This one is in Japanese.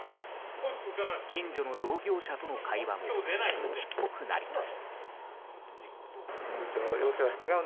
近所の同業者との会話も愚痴っぽくなります。